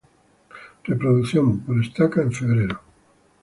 Reproducción por estaca en febrero.